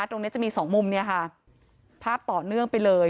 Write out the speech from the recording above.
ตรงนี้จะมีสองมุมเนี่ยค่ะภาพต่อเนื่องไปเลย